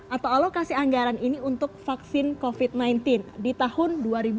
atau alokasi anggaran ini untuk vaksin covid sembilan belas di tahun dua ribu dua puluh